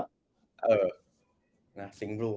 เออสิงห์บลู